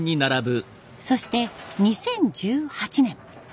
そして２０１８年。